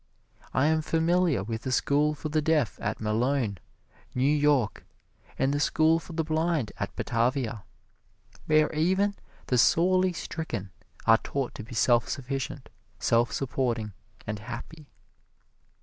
I am familiar with the School for the Deaf at Malone, New York, and the School for the Blind at Batavia, where even the sorely stricken are taught to be self sufficient, self supporting and happy.